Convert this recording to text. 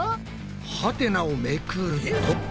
ハテナをめくると。